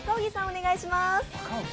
お願いします。